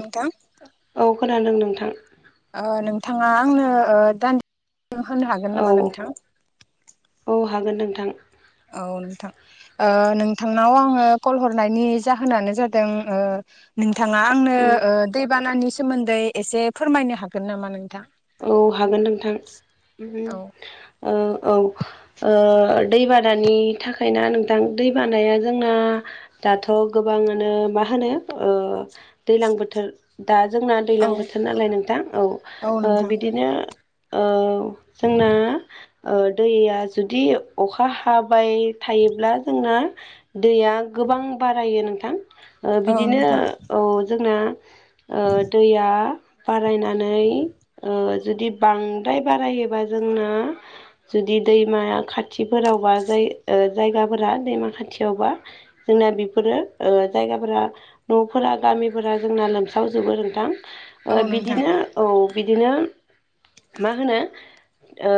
नोंथां। औ खोनादों नोंथां। ओ नोंथाङा आंनो ओ दान्दि होनो हागोन औ नामा नोंथां? औ हागोन नोंथां। औ नोंथां ओ नोंथांनाव आङो कल हरनायनि जाहोनानो जादों ओ नोंथाङा आंनो औ ओ दैबानानि सोमोन्दै एसे फोरमायनो हागोन नामा नोंथां? औ हागोन नोंथां उम औ ओ औ ओ दैबानानि थाखायना नोंथां दैबानाया जोंना दाथ' गोबाङानो मा होनो ओ दैलां बोथोर दा जोंना औ दैलां बोथोर नालाय नोंथां औ इदिनो औ जोंना ओ दैया जुदि अखा हाबाय थायोब्ला जोंना दैया गोबां बारायो नोंथां। ओ औ बिदिनो नोंथां औ जोंना ओ दैया बारायनानै ओ जुदि बांद्राय बारायोबा जोंना जुदि दैमाया खाथिफोरावबा जाय ओ जायगाफोरा दैमा खाथियावबा जोंना बिफोरो ओ जायगाफोरा न'फोरा गामिफोरा जोंना लोमसावजोबो नोंथां औ ओ नोंथां बिदिनो औ। बिदिनो मा होनो ओ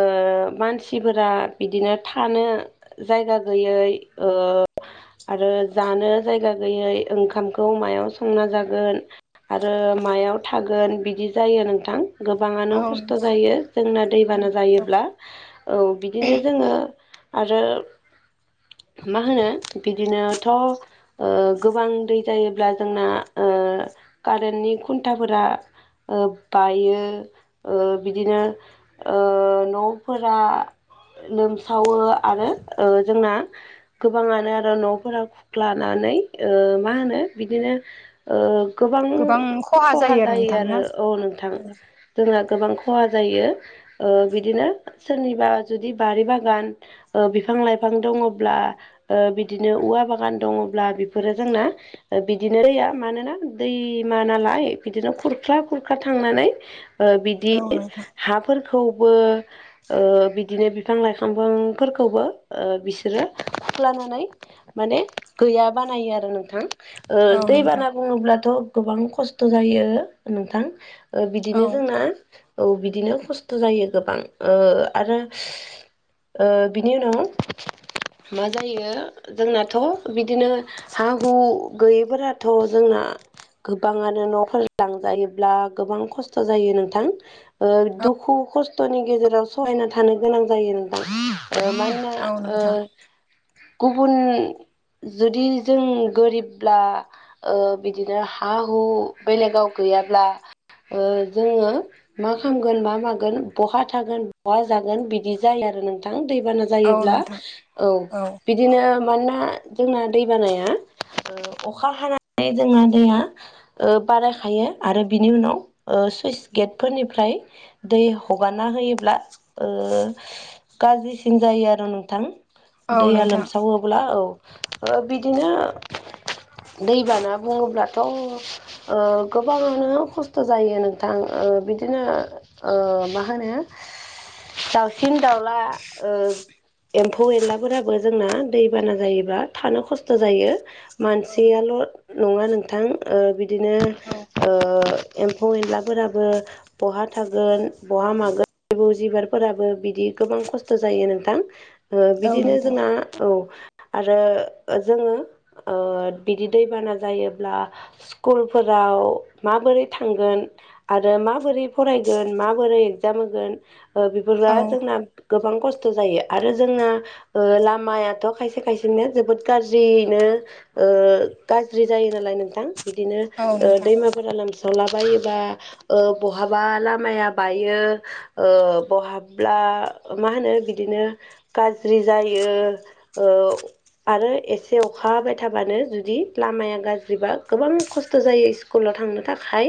मानसिफोरा बिदिनो थानो जायगा गोयै ओ आरो जानो जायगा गैयै ओंखामखौ मायाव संना जागोन आरो मायाव थागोन बिदि जायो नोंथां। गोबाङानो औ खस्थ' नोंथां जायो जोंना दैबाना औ जायोब्ला। औ बिदिनो जोङो आरो मा होनो बिदिनोथ' ओ गोबां दै जायोब्ला जोंना ओ कारेन्टनि खुन्थाफोरा ओ बायो ओ बिदिनो ओ न'फोरा लोमसावो आरो ओ जोंना गोबाङानो आरो न'फोरा खुख्लानानै ओ मा होनो बिदिनो ओ गोबां ख'हा जायो आरो औ नोंथां। जोंना गोबां ख'हा जायो ओ बिदिनो सोरनिबा जुदि बारि बागान ओ बिफां लाइफां दङोब्ला ओ बिदिनो औवा बागान दङोब्ला बेफोरो जोंना ओ बिदिनो दैया मानोना दैमा नालाय बिदिनो खुरख्ला खुरखा थांनानै ओ बिदि औ नोंथां हाफोरखौबो ओ बिदिनो बिफां लाइफां फां फोरखौबो ओ बिसोरो खुख्लानानै माने गैया बानायो आरो नोंथां। औ ओ नोंथां दैबाना बुङोब्लाथ' गोबां खस्थ' जायो नोंथां ओ औ बिदिनो हो औ बिदिनो खस्थ' जायो गोबां ओ आरो ओ बिनि उनाव मा जायो जोंनाथ' बिदिनो हा हु गैयैफोराथ' जोंना गोबाङानो नफोर लांजायोब्ला गोबां खस थ' जायो नोंथां ओ औ दुखु खस फोरनि गेजेराव सहायना थानो गोनां जायो नोंथां ओ मानोना औ ओ नोंथां गुबुन जुदि जों गोरिबब्ला ओ बिदिनो हा हु बेलेगाव गैयाब्ला ओ जोङो मा खामगोन मा मागोन बहा थागोन बहा जागोन बिदि जायो आरो नोंथां दैबाना जा औ जायोब्ला नोंथां औ औ बि दिनो मानोना जोंना दै बानाया ओ अखा हाना थाय जोंना दैया ओ बारायखायो आरो बिनि उनाव ओ सुइस गेटफोरनिफ्राय दै हगारना होयोब्ला ओ गाज्रिसिन जायो आरो नोंथां औ दैया नोंथां लोमसावोब्ला औ। ओ बिदिनो दैबाना बुङोब्लाथ' ओ गोबाङानो खस्थ' जायो नोंथां ओ बिदिनो ओ मा होनो दाउसिन दाउला ओ एम्फौ एनलाफोराबो जोंना दैबाना जायोब्लाा थानो खस्थ' जायो। मानसियाल' औ नङा नोंथां ओ बिदिनो ओ एम्फौ एनलाफोराबो बहा थागोन बहा मागोन जिबौ जिबारफोराबो बिदि गोबां खस्थ' जायो नोंथां ओ औ बिदिनो नोंथां जोंना औ आरो जोङो ओ बिदि दैबाना जायोब्ला स्कुलफोराव माबोरै थांगोन आरो माबोरै फरायगोन माबोरै एग्जाम होगोन ओ बेफोरा औ जोंना गोबां खस्थ' जायो आरो जोंना ओ लामायाथ' खायसे खायसेनो जोबोद गाज्रिनो ओ गाज्रि जायो नालाय नोंथां बिदिनो औ ओ नोंथां दैमाफोरा लोम सावला बायोबा ओ बहाबा लामाया बायो ओ बहाब्ला मा होनो बिदिनो गाज्रि जायो ओ आरो एसे अखा हाबाय थाबानो जुदि लामाया गाज्रिबा गोबां खस्थ' जायो स्कुलाव थांनो थाखाय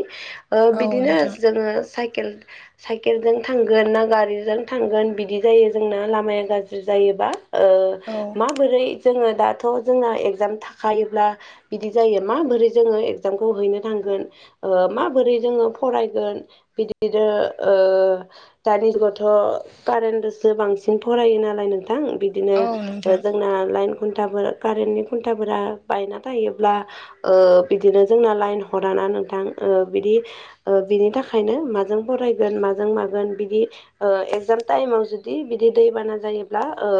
ओ औ बिदिनो नोंथां जोङो साइकेल साइकेलजों थांगोन ना गारिजों थांगोन बिदि जायो जोंना लामाया गाज्रि जायोबा ओ औ माबोरै जोङो दाथ' जोंना एगजाम थाखायोब्ला बिदि जायो माबोरै जोङो एक्जामखौ हैनो थांगोन ओ माबोरै जोङो फरायगोन बिदिनो ओ दानि जुगावथ' कारेन्टदोसो बांसिन फरायो नालाय नोंथां बिदि नो औ ओ नोंथां जोंना लाइन खुन्थाफोर कारेन्टनि खुन्थाफोरा बायना थायोब्ला ओ बिदिनो जोंना लाइन हराना नोंथां ओ बिदि ओ बिनि थाखायनो माजों फरायगोन माजों मागोन बिदि ओ एगजाम टाइमाव जुदि बिदि दैबाना जायोब्ला ओ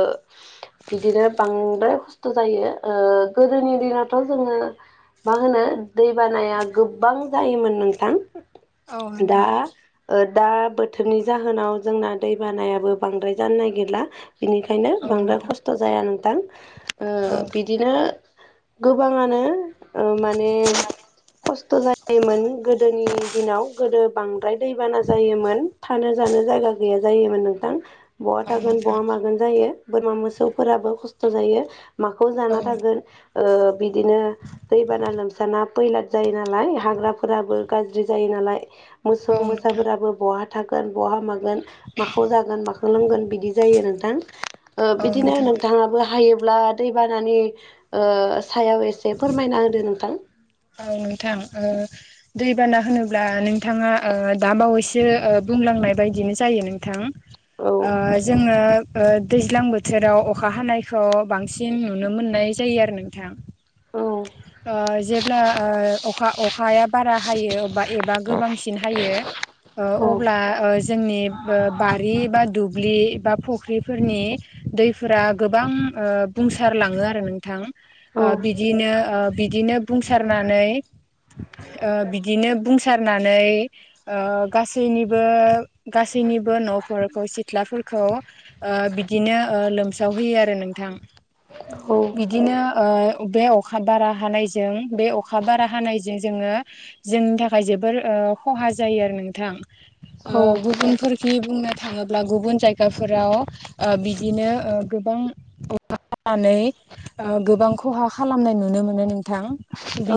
बिदिनो बांद्राय खस्थ' जायो ओ गोदोनि दिनावथ' जोङो मा होनो दैबानाया गोबां जायोमोन औ नोंथां दा नोंथां ओ दा बोथोरनि जाहोनाव जोंना दै बानायाबो बांद्राय जानो नागिरला बिनिखायनो औ बांद्राय नोंथां खस्थ' जाया नोंथां औ ओ बिदिनो गोबाङानो ओ माने खस्थ' जायोमोन गोदोनि दिनाव गोदो बांद्राय दैबाना जायोमोन थानो जानो जायगा गैया जायोमोन नोंथां बहा औ थागोन नोंथां बहा मागोन जायो बोरमा मोसौफोराबो खस्थ' जायो माखौ औ जाना थागोन ओ बिदिनो दैबाना लोमसाना फैलाथ जायो नालाय हाग्राफोराबो गाज्रि जायो नालाय मोसौ औ नोंथां मोसाफोराबो बहा थागोन बहा मागोन माखौ जागोन माखौ लोंगोन बिदि जायो नोंथां ओ औ बिदिनो नोंथां नोंथाङाबो हायोब्ला दैबानानि ओ सायाव एसे फोरमायना होदो नोंथां औ नोंथां ओ दैबाना होनोब्ला नोंथाङा ओ दा बावैसो ओ बुंलांनाय बायदिनो जायो नोंथां औ ओ जोङो ओ दैज्लां बोथोराव अखा हानायखौ बांसिन नुनो मोननाय जायो आरो नोंथां औ ओ जेब्ला ओ अखा-अखाया बारा हायो बा एबा गोबांसिन हायो ओ औ अब्ला जोंनि बारि बा दुब्लि बा फुख्रिफोरनि दैफोरा गोबां ओ बुंसारलाङो आरो नोंथां। ओ बिदिनो ओ बिदिनो बुंसारनानै ओ बिदिनो बुंसारनानै ओ गासैनिबो गासैनिबो न'फोरखौ सिथ्लाफोरखौ ओ बिदिनो लोमसावहोयो आरो नोंथां। [unintelligible] बिदिनो ओ बे अखा बारा हानायजों बे अखा बारा हानायजों जोङो जोंनि थाखाय जोबोर ओ खहा जायो आरो नोंथां। ओ गुबुनफोर जि बुंनो थाङोब्ला गुबुन जायगाफोराव बिदिनो गोबां [unintelligible] नै गोबां खहा खालामनाय नुनो मोनो नों थां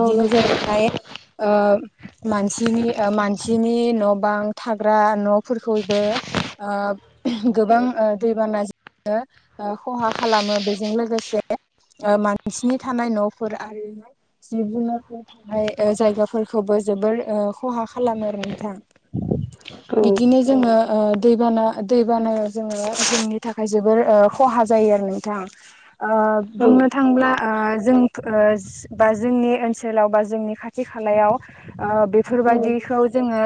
औ नोंथां जेरैहाय ओ मानसिनि ओ मानसिनि न' बां थाग्रा न'फोरखौबो ओब गोबां ओ दैबाना जो खहा खालामो बेजों लोगोसे ओ मानसिनि थानाय न'फोर आरि जिब जुनारफोर थानाय जायगाफोरखौबो जोबोर खहा खालामो आरो नोंथां। [inaudible] बिदिनो जोङो ओ दैबाना दैबानायाव जोङो जोंनि थाखाय जोबोर खहा जायो आरो नोंथां। औ बुंनो थांब्ला ओ जों [unintelligible] बा जोंनि ओनसोलाव बा जोंनि खाथि खालायाव ओ बेफोरबादिखौ जोङो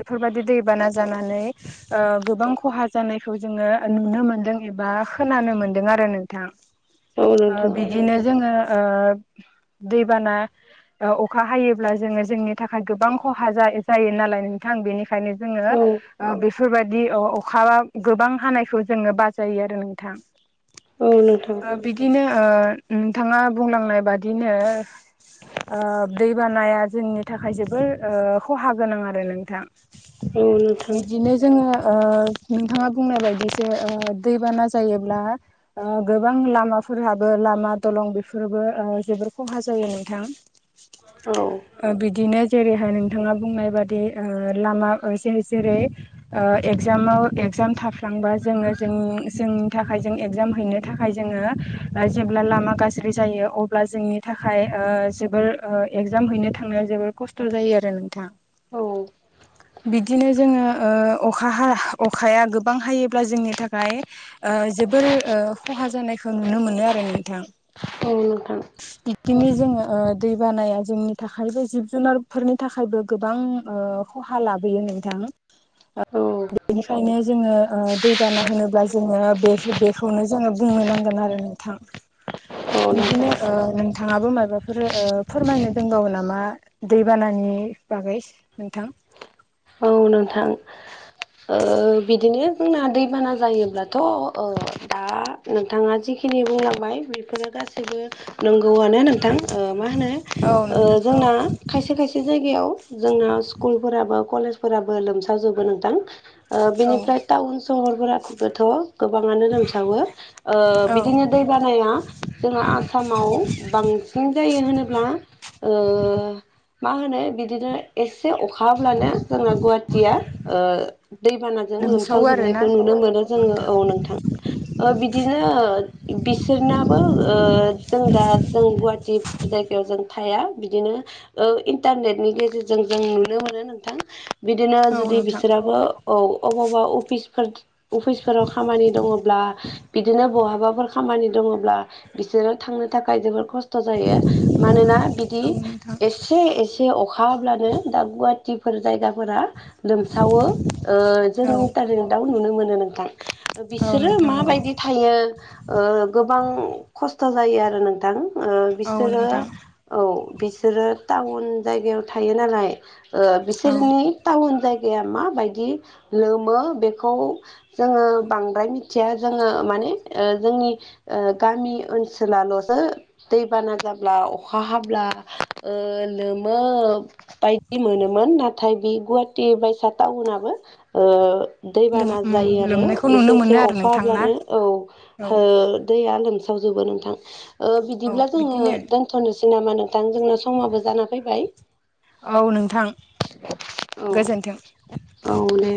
बेफोरबादि दैबाना जानानै ओ गोबां खहा जानायखौ जोङो नुनो मोनदों एबा खोनानो मोनदों आरो नोंथां। औ नोंथां बिदिनो जोङो ओ दैबाना अखा हायोब्ला जोङो जोंनि थाखाय गोबां खहा जा-जायो नालाय नोंथां बेनि खायनो जोङो औ ओ बेफोरबादि अ-अखाबा गोबां हानायखौ जोङो बाजायो आरो नोंथां। औ नोंथां बिदिनो ओ नोंथाङा बुंलांनाय बादिनो ओ दै बानाया जोंनि थाखाय जोबोर ओ खहा गोनां आरो नोंथां। औ नोंथां बिदिनो जोङो ओ नोंथाङा बुंनाय बायदिसो ओ दैबाना जायोब्ला ओ गोबां लामाफोरहाबो लामा दलं बेफोरबो ओ जोबोर खहा जायो नोंथां। औ ओबिदिनो जेरैहाय नोंथाङा बुंनायबादि ओ लामा जे- जेरै ओ एगजामाव एगजाम थाफ्लांबा जोङो जोंनि जोंनि थाखाय जों एगजाम हैनो थाखाय जोङो ओ जेब्ला लामा गाज्रि जायो अब ब्ला जोंनि थाखाय ओ जोबोर एगजाम हैनो थांनायाव जोबोर खस्थ' जायो आरो नोंथां। औ। बिदिनो जोङो ओ अखा हा अखाया गोबां हायोब्ला जोंनि थाखाय ओ जोबोर खहा जानायखौ नुनो मोनो आरो नोंथां। औ नोंथां। पिकिनि जोङो ओ दैबानाया जोंनि थाखायबो जिब जुनारफोरनि थाखायबो गोबां ओ खहा लाबोयो नोंथां। औ बेनिखायनो जोङो ओ दैबाना होनोब्ला जोङो बेख- बेखौनो जोङो बुंनो नांगोन आरो नोंथां। औ नोंथां बिदिनो ओ नोंथाङाबो माबाफोर ओ फोरमायनो दंबावो नामा? दैबानानि बागै नोंथां? औ नोंथां। ओ बिदिनो जोंना दैबाना जायोब्लाथ' ओ दा। नोंथाङा जिखिनि बुंलांबाय बेफोरो गासैबो। नोंगौआनो नोंथां ओ मा औ होनो। नोंथां जोंना खायसे खायसे जायगायाव जोंना स्कुलफोराबो कलेज। फोराबो लोमसाव जोबो नोंथां। ओ औ बिनिफ्राय टाउन सहरफोरा बोथ' गोबाङानो दोमसावो ओ औ बिदिनो। दैबानाया जोंहा आसामाव बांसिन जायो होनोब्ला। ओ मा होनो बिदिनो एसे अखा हाब्लानो। जोंना गुवाहाटिया ओ दैबानाजों लोमसावो लोमसाव आरोना जोबनायखौ नुनो मोनो जोङो औ नोंथां। ओ बिदिनो ओ बिसोरनाबो ओ जों दा जों गुवाहाटि। जायगायाव जों थाया बिदिनो ओ इन्टारनेटनि गेजेरजों जों नुनो मोनो नोंथां। बिदिनो औ जुदि नोंथां बिसोराबो। औ अबावबा अफिसफोर अफिसफोराव खामानि दङोब्ला। बिदिनो बहाबाफोर खामानि दङोब्ला बिसोरो थांनो थाखाय जोबोर खस्थ' थ जायो मानोना बिदि औ नोंथां एसे एसे अखा हाब्लानो दा गुवाहाटि। फोर जायगाफोरा लोमसावो ओ जों औ इन्टारनेटाव नुनो मोनो नोंथां। ओ औ बिसोरो नोंथां नंगौ माबायदि थायो ओ गोबां खस्थ' जायो आरो नोंथां। ओ औ बिसोरो। नोंथां औ बिसोरो टाउन जायगायाव थायो नालाय ओ औ बिसोरनि। टाउन जायगाया माबायदि लोमो बेखौ जोङो बांद्राय मिथि थिया जोङो माने ओ जोंनि ओ गामि ओनसोलाल'सो। दै बाना जाब्ला अखा हाब्ला ओ लोमो। बायदि मोनोमोन नाथाय बि गुवाहाटी बायसा टाउनाबो ओ। लोम दैबाना उम जायो आरो लोमनायखौ नुनो एसे एसे मोनो आरो अख नोंथां ना हाब्लानो औ औ हो। दैया लोमसावजोबो नोंथां ओ औ बिदिब्ला जोङो बिदिनो दोन थनोसै नामा नोंथां जोंना समाबो जाना फैबाय? औ नोंथां। औ गोजोन्थों। औ दे।